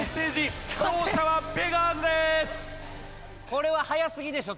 これは速すぎでしょ